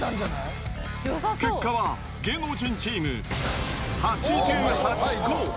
結果は、芸能人チーム、８８個。